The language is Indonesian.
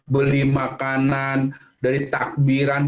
beli makanan dari takbiran